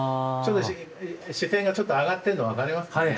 ちょっと視線がちょっと上がってるの分かりますか？